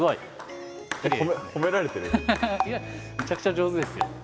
めちゃくちゃ上手ですよ。